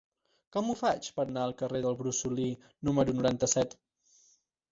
Com ho faig per anar al carrer del Brosolí número noranta-set?